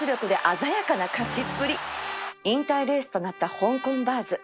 引退レースとなった香港ヴァーズ